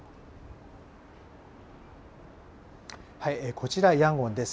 こちらヤンゴンです。